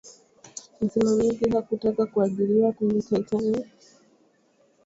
msimamizi hakutaka kuajiriwa kwenye titanic